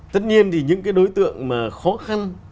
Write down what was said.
tất nhiên thì những cái đối tượng mà khó khăn